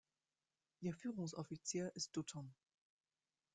Ihr Führungsoffizier ist Dutton.